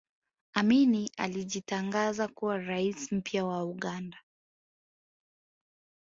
amini alijitangaza kuwa rais mpya wa uganda